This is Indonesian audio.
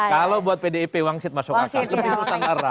kalau buat pdip wangsit masuk asal lebih nusantara